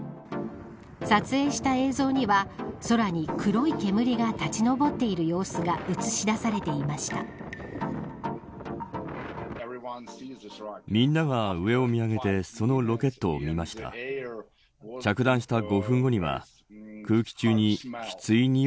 撮影した映像には空に黒い煙が立ち上っている様子が映し出されていました。